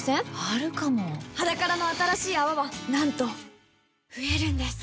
あるかも「ｈａｄａｋａｒａ」の新しい泡はなんと増えるんです